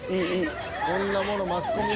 こんなものマスコミに